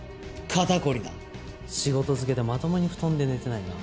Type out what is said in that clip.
仕事漬けでまともに布団で寝てないな。